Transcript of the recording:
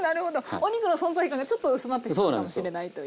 お肉の存在感がちょっと薄まってしまうかもしれないという。